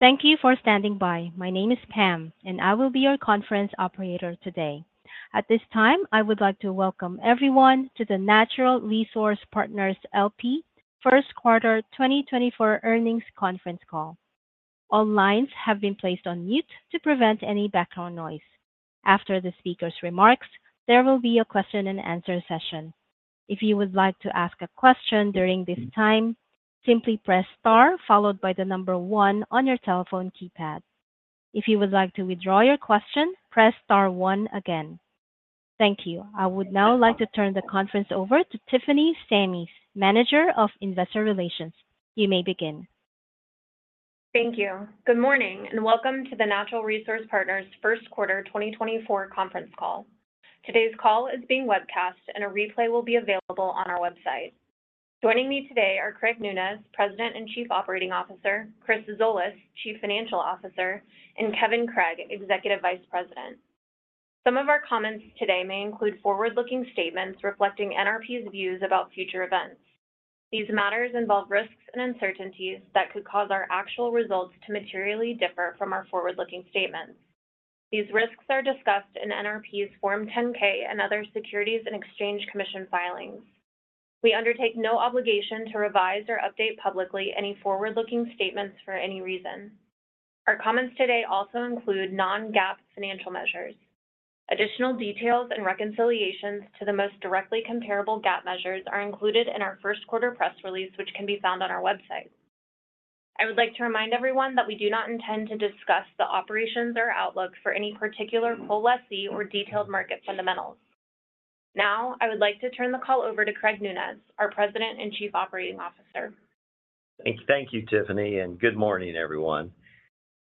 Thank you for standing by. My name is Pam, and I will be your conference operator today. At this time, I would like to welcome everyone to the Natural Resource Partners L.P. First Quarter 2024 earnings conference call. All lines have been placed on mute to prevent any background noise. After the speaker's remarks, there will be a question and answer session. If you would like to ask a question during this time, simply press Star followed by the number one on your telephone keypad. If you would like to withdraw your question, press star one again. Thank you. I would now like to turn the conference over to Tiffany Sammis, Manager of Investor Relations. You may begin. Thank you. Good morning, and welcome to the Natural Resource Partners First Quarter 2024 conference call. Today's call is being webcast, and a replay will be available on our website. Joining me today are Craig Nunez, President and Chief Operating Officer, Chris Zolas, Chief Financial Officer, and Kevin Craig, Executive Vice President. Some of our comments today may include forward-looking statements reflecting NRP's views about future events. These matters involve risks and uncertainties that could cause our actual results to materially differ from our forward-looking statements. These risks are discussed in NRP's Form 10-K and other Securities and Exchange Commission filings. We undertake no obligation to revise or update publicly any forward-looking statements for any reason. Our comments today also include non-GAAP financial measures. Additional details and reconciliations to the most directly comparable GAAP measures are included in our first quarter press release, which can be found on our website. I would like to remind everyone that we do not intend to discuss the operations or outlook for any particular lessee or detailed market fundamentals. Now, I would like to turn the call over to Craig Nunez, our President and Chief Operating Officer. Thank you, Tiffany, and good morning, everyone.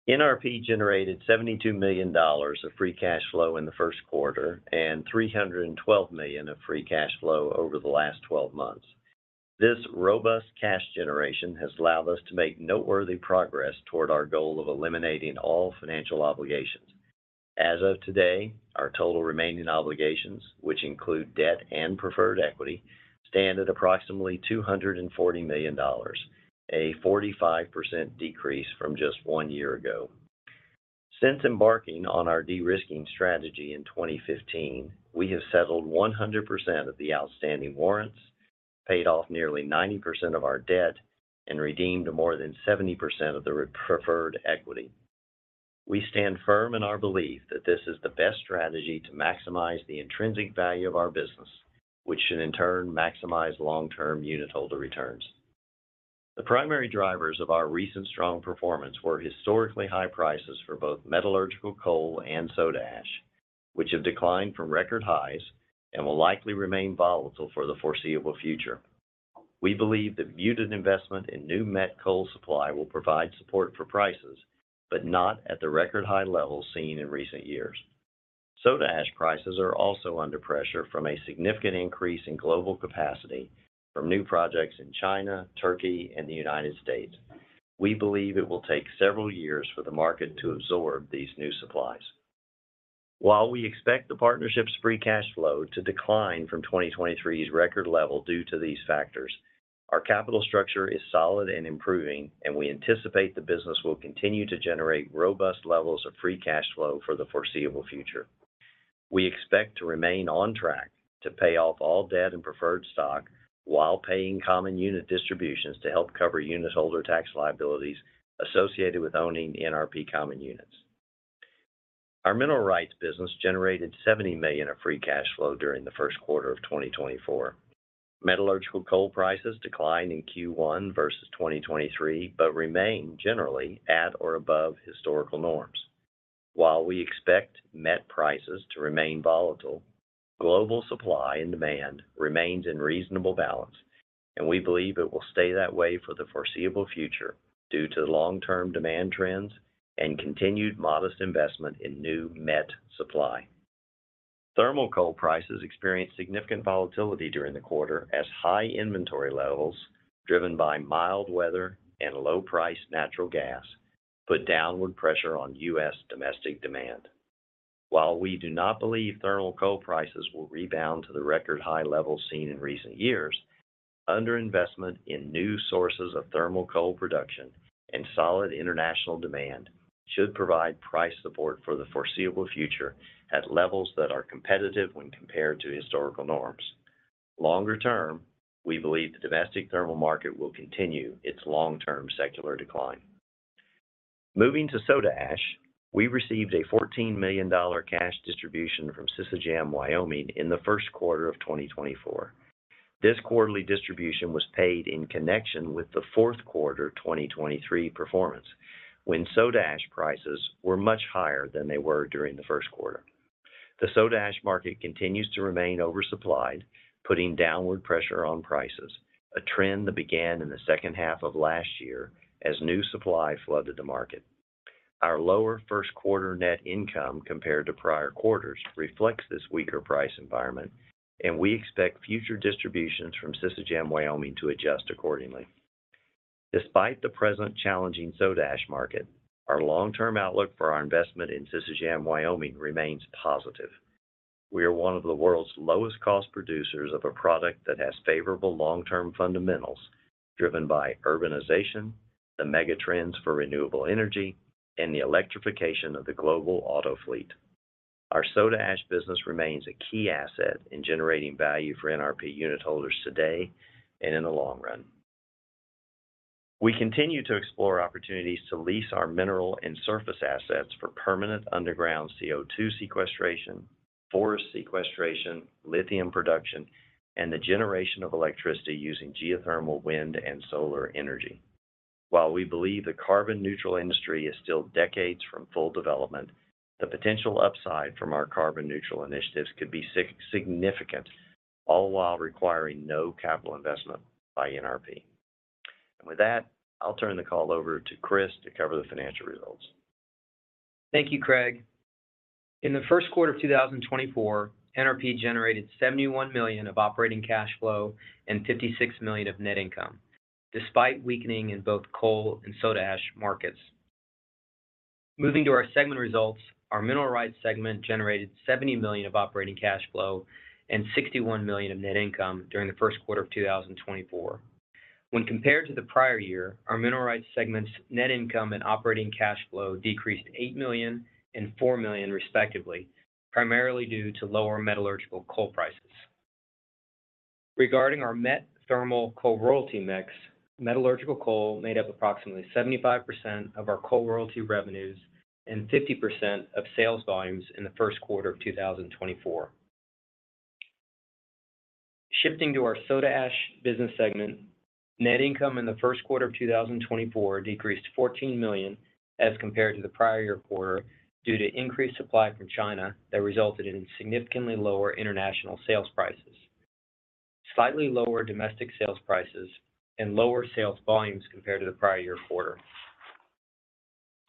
NRP generated $72 million of free cash flow in the first quarter and $312 million of free cash flow over the last twelve months. This robust cash generation has allowed us to make noteworthy progress toward our goal of eliminating all financial obligations. As of today, our total remaining obligations, which include debt and preferred equity, stand at approximately $240 million, a 45% decrease from just one year ago. Since embarking on our de-risking strategy in 2015, we have settled 100% of the outstanding warrants, paid off nearly 90% of our debt, and redeemed more than 70% of the preferred equity. We stand firm in our belief that this is the best strategy to maximize the intrinsic value of our business, which should in turn maximize long-term unitholder returns. The primary drivers of our recent strong performance were historically high prices for both metallurgical coal and soda ash, which have declined from record highs and will likely remain volatile for the foreseeable future. We believe that muted investment in new met coal supply will provide support for prices, but not at the record high levels seen in recent years. Soda ash prices are also under pressure from a significant increase in global capacity from new projects in China, Turkey, and the United States. We believe it will take several years for the market to absorb these new supplies. While we expect the partnership's free cash flow to decline from 2023's record level due to these factors, our capital structure is solid and improving, and we anticipate the business will continue to generate robust levels of free cash flow for the foreseeable future. We expect to remain on track to pay off all debt and preferred stock while paying common unit distributions to help cover unitholder tax liabilities associated with owning NRP common units. Our mineral rights business generated $70 million of free cash flow during the first quarter of 2024. Metallurgical coal prices declined in Q1 versus 2023, but remained generally at or above historical norms. While we expect met prices to remain volatile, global supply and demand remains in reasonable balance, and we believe it will stay that way for the foreseeable future due to the long-term demand trends and continued modest investment in new met supply. Thermal coal prices experienced significant volatility during the quarter as high inventory levels, driven by mild weather and low-priced natural gas, put downward pressure on U.S. domestic demand. While we do not believe thermal coal prices will rebound to the record high levels seen in recent years, underinvestment in new sources of thermal coal production and solid international demand should provide price support for the foreseeable future at levels that are competitive when compared to historical norms. Longer term, we believe the domestic thermal market will continue its long-term secular decline. Moving to soda ash, we received a $14 million cash distribution from Sisecam Wyoming in the first quarter of 2024. This quarterly distribution was paid in connection with the fourth quarter 2023 performance, when soda ash prices were much higher than they were during the first quarter. The soda ash market continues to remain oversupplied, putting downward pressure on prices, a trend that began in the second half of last year as new supply flooded the market. Our lower first quarter net income compared to prior quarters reflects this weaker price environment, and we expect future distributions from Sisecam Wyoming to adjust accordingly. Despite the present challenging soda ash market, our long-term outlook for our investment in Sisecam Wyoming remains positive. We are one of the world's lowest cost producers of a product that has favorable long-term fundamentals, driven by urbanization, the megatrends for renewable energy, and the electrification of the global auto fleet. Our soda ash business remains a key asset in generating value for NRP unitholders today and in the long run. We continue to explore opportunities to lease our mineral and surface assets for permanent underground CO2 sequestration, forest sequestration, lithium production, and the generation of electricity using geothermal, wind, and solar energy. While we believe the carbon-neutral industry is still decades from full development, the potential upside from our carbon-neutral initiatives could be significant, all while requiring no capital investment by NRP. And with that, I'll turn the call over to Chris to cover the financial results. Thank you, Craig. In the first quarter of 2024, NRP generated $71 million of operating cash flow and $56 million of net income, despite weakening in both coal and soda ash markets. Moving to our segment results, our mineral rights segment generated $70 million of operating cash flow and $61 million of net income during the first quarter of 2024. When compared to the prior year, our mineral rights segment's net income and operating cash flow decreased $8 million and $4 million, respectively, primarily due to lower metallurgical coal prices. Regarding our metallurgical and thermal coal royalty mix, metallurgical coal made up approximately 75% of our coal royalty revenues and 50% of sales volumes in the first quarter of 2024. Shifting to our soda ash business segment, net income in the first quarter of 2024 decreased $14 million as compared to the prior year quarter, due to increased supply from China that resulted in significantly lower international sales prices, slightly lower domestic sales prices, and lower sales volumes compared to the prior year quarter.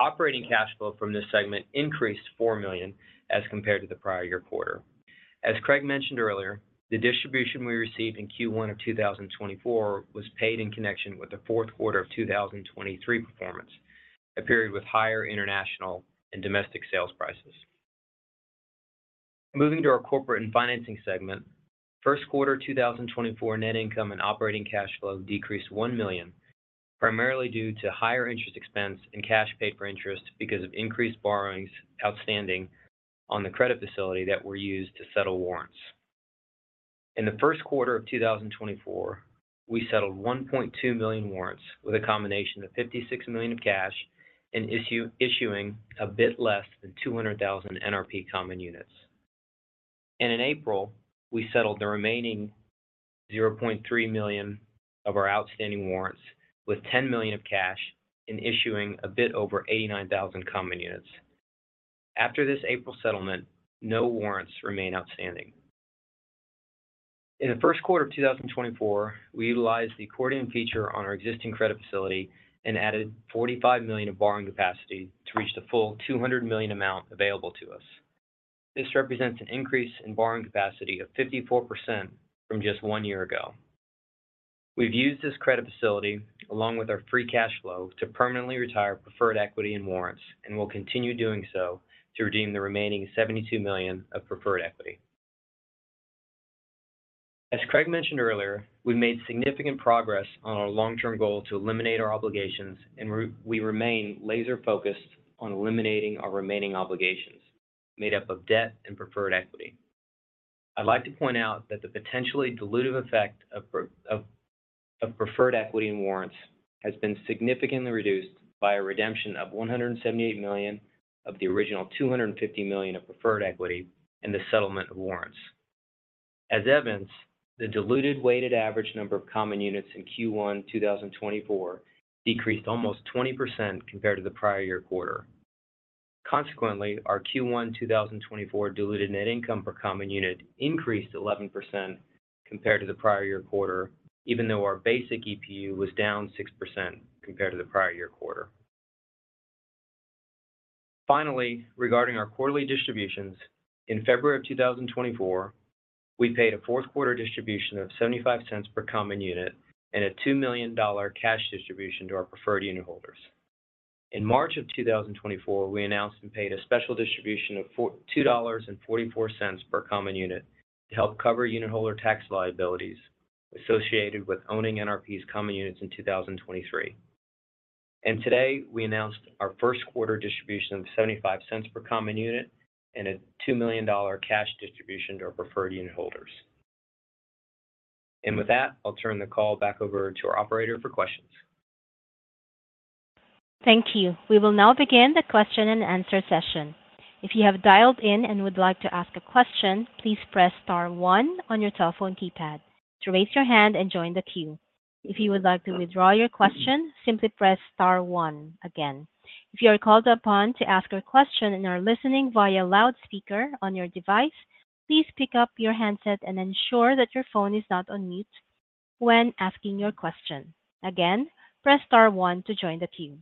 Operating cash flow from this segment increased $4 million as compared to the prior year quarter. As Craig mentioned earlier, the distribution we received in Q1 of 2024 was paid in connection with the fourth quarter of 2023 performance, a period with higher international and domestic sales prices. Moving to our corporate and financing segment, first quarter 2024 net income and operating cash flow decreased $1 million, primarily due to higher interest expense and cash paid for interest because of increased borrowings outstanding on the credit facility that were used to settle warrants. In the first quarter of 2024, we settled 1.2 million warrants with a combination of $56 million of cash and issuing a bit less than 200,000 NRP common units. And in April, we settled the remaining 0.3 million of our outstanding warrants with $10 million of cash in issuing a bit over 89,000 common units. After this April settlement, no warrants remain outstanding. In the first quarter of 2024, we utilized the accordion feature on our existing credit facility and added $45 million of borrowing capacity to reach the full $200 million amount available to us. This represents an increase in borrowing capacity of 54% from just 1 year ago. We've used this credit facility along with our free cash flow to permanently retire preferred equity and warrants, and we'll continue doing so to redeem the remaining $72 million of preferred equity. As Craig mentioned earlier, we've made significant progress on our long-term goal to eliminate our obligations, and we remain laser-focused on eliminating our remaining obligations, made up of debt and preferred equity. I'd like to point out that the potentially dilutive effect of pro... of preferred equity and warrants has been significantly reduced by a redemption of $178 million of the original $250 million of preferred equity and the settlement of warrants. As evidence, the diluted weighted average number of common units in Q1 2024 decreased almost 20% compared to the prior year quarter. Consequently, our Q1 2024 diluted net income per common unit increased 11% compared to the prior year quarter, even though our basic EPU was down 6% compared to the prior year quarter. Finally, regarding our quarterly distributions, in February 2024, we paid a fourth quarter distribution of $0.75 per common unit and a $2 million cash distribution to our preferred unitholders. In March of 2024, we announced and paid a special distribution of $4.44 per common unit to help cover unitholder tax liabilities associated with owning NRP's common units in 2023. And today, we announced our first quarter distribution of $0.75 per common unit and a $2 million cash distribution to our preferred unitholders. And with that, I'll turn the call back over to our operator for questions. Thank you. We will now begin the question and answer session. If you have dialed in and would like to ask a question, please press star one on your telephone keypad to raise your hand and join the queue. If you would like to withdraw your question, simply press star one again. If you are called upon to ask a question and are listening via loudspeaker on your device, please pick up your handset and ensure that your phone is not on mute when asking your question. Again, press star one to join the queue.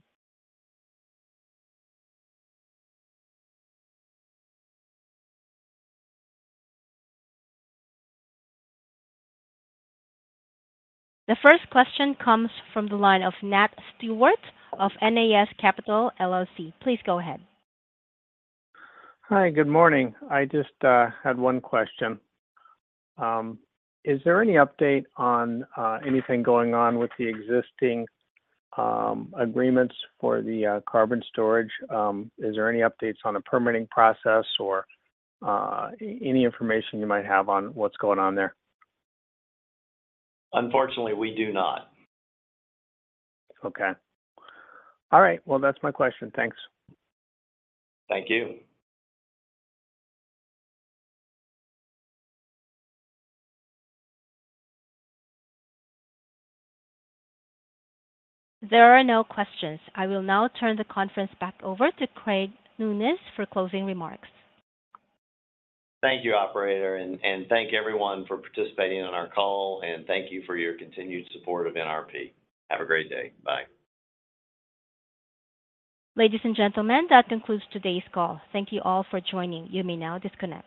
The first question comes from the line of Nat Stewart of N.A.S. Capital, LLC. Please go ahead. Hi, good morning. I just had one question. Is there any update on anything going on with the existing agreements for the carbon storage? Is there any updates on the permitting process or any information you might have on what's going on there? Unfortunately, we do not. Okay. All right, well, that's my question. Thanks. Thank you. There are no questions. I will now turn the conference back over to Craig Nunez for closing remarks. Thank you, operator, and thank everyone for participating on our call, and thank you for your continued support of NRP. Have a great day. Bye. Ladies and gentlemen, that concludes today's call. Thank you all for joining. You may now disconnect.